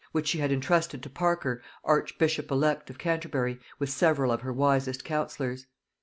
which she had intrusted to Parker archbishop elect of Canterbury, with several of her wisest counsellors.